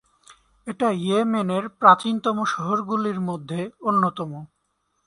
এটা ইয়েমেনের প্রাচীনতম শহরগুলির মধ্যে অন্যতম।